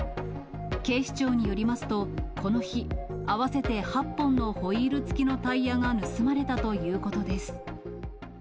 警視庁によりますと、この日、合わせて８本のホイール付きのタイヤが盗まれたということです。